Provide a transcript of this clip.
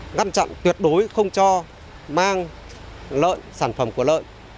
ngăn chặn tuyệt đối không cho mang lợn sản phẩm của lợn